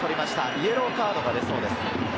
イエローカードが出そうです。